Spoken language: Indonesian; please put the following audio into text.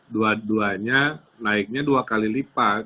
dua duanya naiknya dua kali lipat